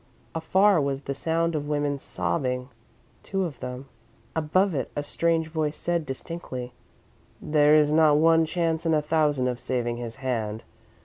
Afar was the sound of women sobbing two of them. Above it a strange voice said, distinctly: "There is not one chance in a thousand of saving his hand.